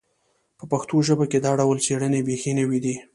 په پښتو ژبه کې دا ډول څېړنې بیخي نوې دي